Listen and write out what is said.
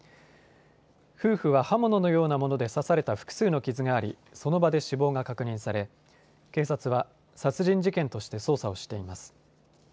夫婦は刃物のようなもので刺された複数の傷があり、その場で死亡が確認され、警察は殺人事件として捜査しています。